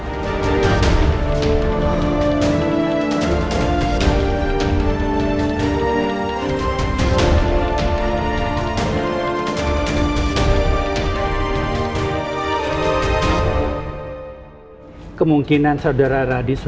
frissi untuk kejadian disebutnya diwawancara ke sana